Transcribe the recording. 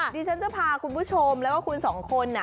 ดิฉันจะพาคุณผู้ชมแล้วก็คุณสองคน